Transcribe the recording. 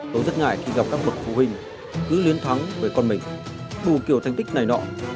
tôi rất ngại khi gặp các bậc phụ huynh cứ luyến thắng với con mình đủ kiểu thành tích này nọ